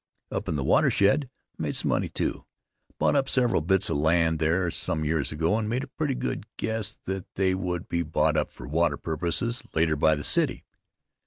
Up in the watershed I made some money, too. I bought up several bits of land there some years ago and made a pretty good guess that they would be bought up for water purposes later by the city.